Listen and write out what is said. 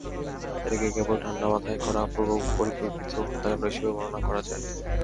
এটাকে কেবল ঠান্ডা মাথায় করা পূর্বপরিকল্পিত হত্যাকাণ্ড হিসেবে বর্ণনা করা যায়।